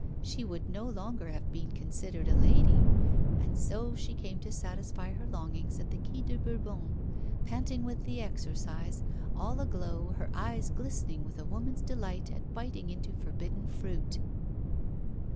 She would no longer have been considered a lady. And so she came to satisfy her longings at the Quai de Bourbon, panting with the exercise, all aglow, her eyes glistening with a woman's delight at biting into forbidden fruit.